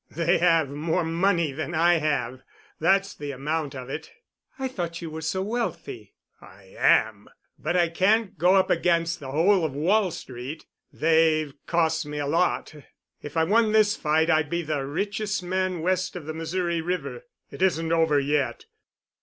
They have more money than I have. That's the amount of it." "I thought you were so wealthy." "I am. But I can't go up against the whole of Wall Street. They've cost me a lot. If I won this fight I'd be the richest man west of the Missouri River. It isn't over yet."